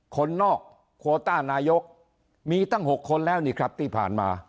คนนอกโคต้านายกมีตั้ง๖คนแล้วนี่ครับที่ผ่านมา